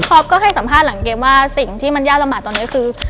ก็ให้สัมภาษณ์หลังเกมว่าสิ่งที่มันยากลำบากตอนนี้คือ